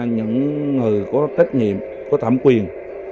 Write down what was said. những người có trách nhiệm có thẩm quyền